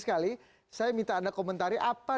sekali saya minta anda komentari apa